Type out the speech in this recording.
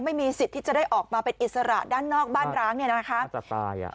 ไม่มีสิทธิ์ที่จะได้ออกมาเป็นอิสระด้านนอกบ้านร้างเนี่ยนะคะน่าจะตายอ่ะ